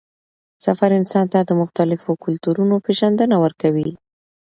سفر انسان ته د مختلفو کلتورونو پېژندنه ورکوي